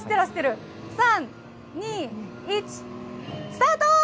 ３、２、１、スタート。